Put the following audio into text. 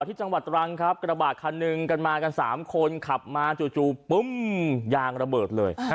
ที่จังหวัดตรังครับกระบาดคันหนึ่งกันมากัน๓คนขับมาจู่ปึ้งยางระเบิดเลย